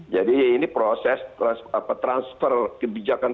jadi ini proses transfer kebijakan